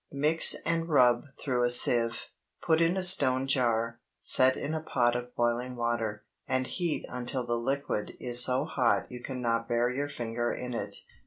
Mix and rub through a sieve. Put in a stone jar, set in a pot of boiling water, and heat until the liquid is so hot you can not bear your finger in it.